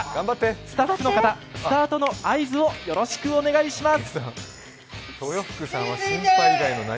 スタッフの方、スタートの合図をお願いします。